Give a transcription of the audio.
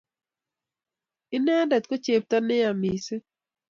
inende ko chepto neya mising